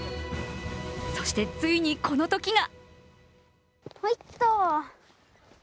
そして、ついにこのときが！